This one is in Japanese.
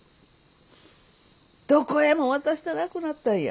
どこへも渡したなくなったんや。